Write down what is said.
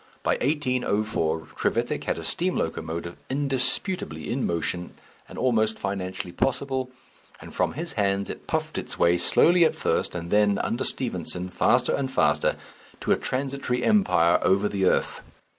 By 1804 Trevithick had a steam locomotive indisputably in motion and almost financially possible, and from his hands it puffed its way, slowly at first, and then, under Stephenson, faster and faster, to a transitory empire over the earth.